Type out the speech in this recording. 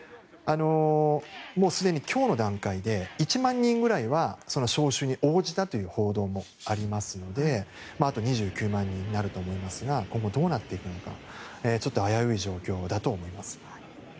もうすでに今日の段階で１万人ぐらいはその招集に応じたという報道もありますのであと２９万人になると思いますが今後どうなっていくのか危うい状況だと思います。